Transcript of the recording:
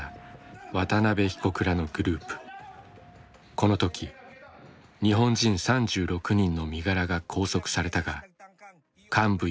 この時日本人３６人の身柄が拘束されたが幹部４人は摘発を逃れた。